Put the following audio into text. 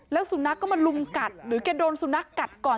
แล้วสุนัขก็มาลุมกัดหรือแกโดนสุนัขกัดก่อน